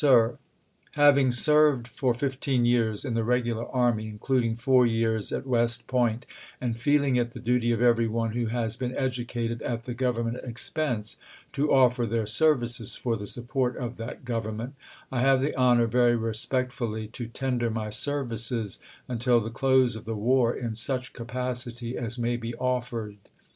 Sir: Having served for fifteen years in the regular army, including four years at West Point, and feeling it the duty of every one who has been educated at the Grov ernment expense to oif er their services for the support of that Government, I have the honor, very respectfully, to tender my services until the close of the war in such capac ity as may be offered.